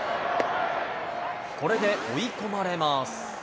これで追い込まれます。